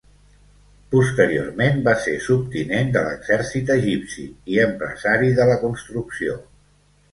Posteriorment va ser subtinent de l'exèrcit egipci i empresari de la construcció.